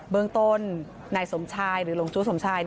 เมืองต้นนายสมชายหรือหลงจู้สมชาย